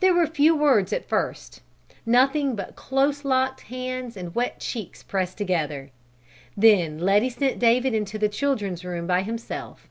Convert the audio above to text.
There were few words at first; nothing but close locked hands and wet cheeks pressed together. Then Letty sent David into the children's room by himself.